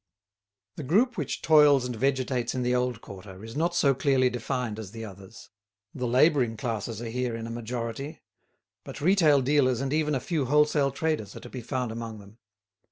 The group which toils and vegetates in the old quarter is not so clearly defined as the others. The labouring classes are here in a majority; but retail dealers and even a few wholesale traders are to be found among them.